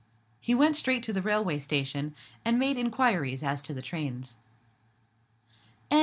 He went straight to the railway station, and made inquiries as to the trains. CHAPTER V.